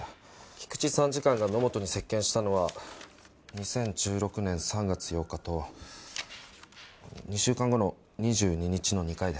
菊池参事官が野本に接見したのは２０１６年３月８日と２週間後の２２日の２回です。